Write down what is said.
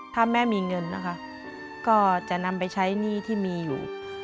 ถ้าแม่มีเงินนะคะก็จะนำไปใช้หนี้ที่มีอยู่